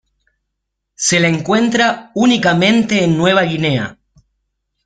Se la encuentra únicamente en Nueva Guinea.